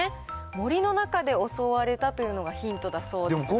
森の中で襲われたというのがヒントだそうですが。